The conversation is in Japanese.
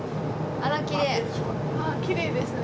ああきれいですね。